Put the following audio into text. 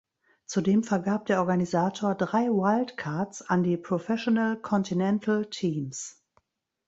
Zudem vergab der Organisator drei Wildcards an die Professional Continental Teams.